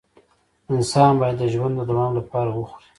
انسان باید د ژوند د دوام لپاره وخوري